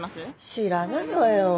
知らないわよ。